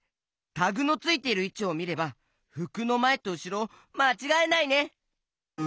タグのついているいちをみればふくのまえとうしろをまちがえないね。